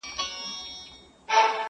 د تسو لاسو بدنامۍ خبره ورانه سوله